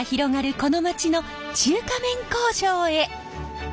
この町の中華麺工場へ。